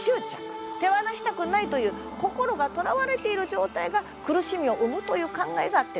手放したくないという心がとらわれている状態が苦しみを生むという考えがあってな。